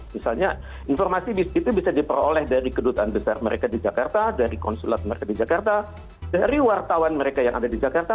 misalnya informasi itu bisa diperoleh dari kedutaan besar mereka di jakarta dari konsulat mereka di jakarta dari wartawan mereka yang ada di jakarta